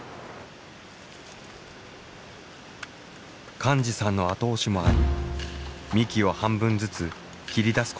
寛司さんの後押しもあり幹を半分ずつ切り出すことにした。